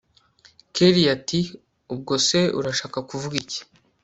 kellia ati ubwo se urashaka kuvuga iki